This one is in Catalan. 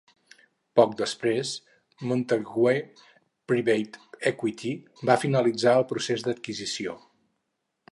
Poc després, Montague Private Equity va finalitzar el procés d'adquisició.